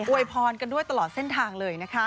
วยพรกันด้วยตลอดเส้นทางเลยนะคะ